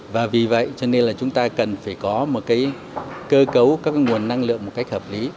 và vì vậy cho nên là chúng ta cần phải có một cơ cấu các nguồn năng lượng một cách hợp lý